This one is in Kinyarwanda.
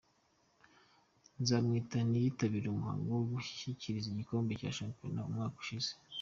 Nzamwita ntiyitabiriye umuhango wo gushyikiriza igikombe cya shampiyona umwaka ushize.